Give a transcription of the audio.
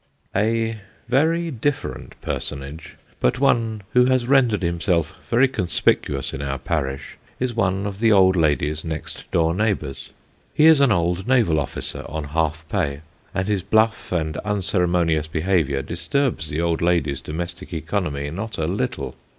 A very different personage, but one who has rendered himself very conspicuous in our parish, is one of the old lady's next door neighbours. He is an old naval officer on half pay, and his bluff and unceremonious behaviour disturbs the old lady's domestic economy, not a little.